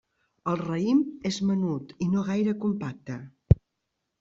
El raïm és menut i no gaire compacte.